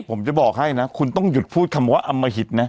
ผมจะบอกให้นะคุณต้องหยุดพูดคำว่าอมหิตนะ